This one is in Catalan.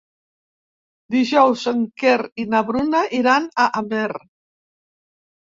Dijous en Quer i na Bruna iran a Amer.